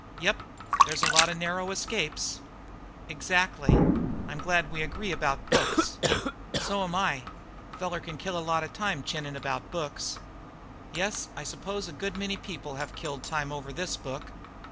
"Yep, there's a lot of narrow escapes." "Exactly. I'm glad that we agree about books." "So'm I. Feller can kill a lot of time chinning about books." "Yes, I suppose a good many people have killed time over this book."